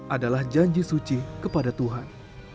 adalah janji suci kepada tuhan